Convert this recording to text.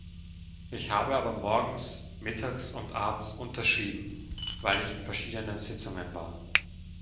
Ich habe aber morgens, mittags und abends unterschrieben, weil ich in verschiedenen Sitzungen war.